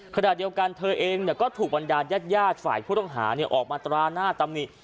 ขณะเดียวกันเธอเองก็ถูกบรรดาญาติฝ่ายผู้ต้องหาออกมาตราหน้าตำหนิ